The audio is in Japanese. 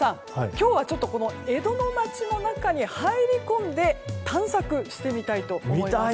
今日は江戸の町の中に入り込んで入り込んで探索してみたいと思います。